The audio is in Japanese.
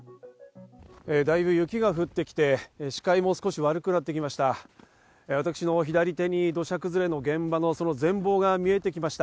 だいぶ雪が降ってきて、視界も少し悪くなってきました。